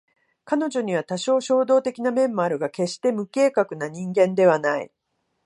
彼女には多少衝動的な面もあるが決して無計画な人間ではない